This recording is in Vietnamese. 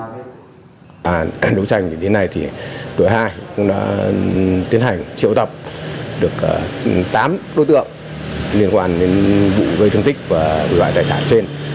các đối tranh đến nay tuổi hai cũng đã tiến hành triệu tập được tám đối tượng liên quan đến vụ gây thương tích và gọi tài sản trên